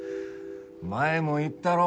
前も言ったろ？